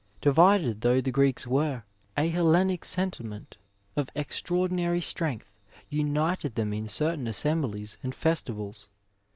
Divided though the Greeks were, a Hellenic sentiment of extra ordinary strength united them in certain assemblies and festivals.